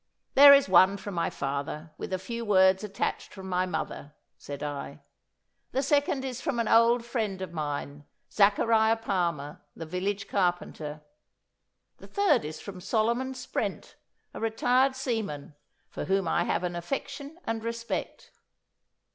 'There is one from my father, with a few words attached from my mother,' said I. 'The second is from an old friend of mine, Zachariah Palmer, the village carpenter. The third is from Solomon Sprent, a retired seaman, for whom I have an affection and respect.